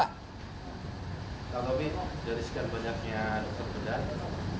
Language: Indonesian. pak taufik dari sekian banyaknya dokter bedah